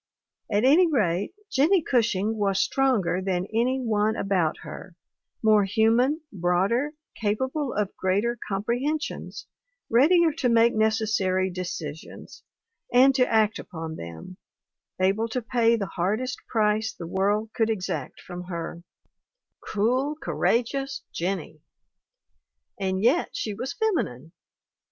At any rate, Jennie Gushing was stronger than any one about her, more human, broader, capable of greater comprehensions, readier to make necessary decisions and to act upon them, able to pay the hardest price the world could exact from her 196 THE WOMEN WHO MAKE OUR NOVELS cool, courageous Jennie! And yet she was feminine.